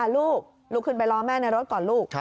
ลูกลุกขึ้นไปรอแม่ในรถก่อนลูก